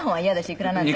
いくらなんでも。